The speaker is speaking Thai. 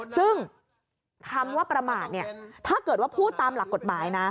ซึ่งคำว่าประมาทถ้าเกิดว่าพูดตามหลักกฎหมายนะ